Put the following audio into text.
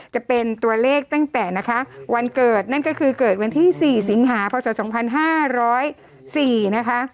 จะเป็นตัวเลขตั้งแต่นะคะวันเกิดนั่นก็คือเกิดวันที่๔สิงหาพศ๒๕๐๔นะคะ